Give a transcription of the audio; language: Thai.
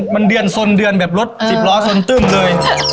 มันเดือนสนเดือนแบบรถสิบล้อสนตึ้มเลย